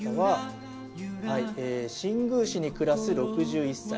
新宮市に暮らす６１歳。